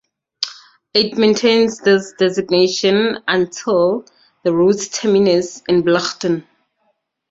It maintains this designation until the route's terminus in Blichton.